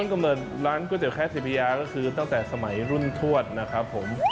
กำเนิดร้านก๋วยเตี๋แคบยาก็คือตั้งแต่สมัยรุ่นทวดนะครับผม